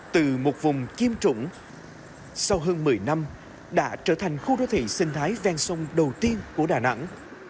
từ một vùng chiêm trụng sau hơn một mươi năm đã trở thành khu đô thị sinh thái ven sông đầu tiên của đà nẵng